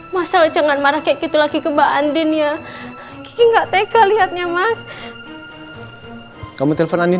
masalah jangan marah kayak gitu lagi kembang andin ya nggak tega lihatnya mas kamu telpon andin